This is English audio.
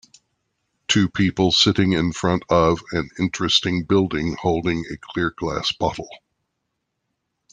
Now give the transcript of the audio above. Two people sitting in front of and interesting building holding a clear glass bottle.